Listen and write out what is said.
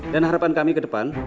dan harapan kami ke depan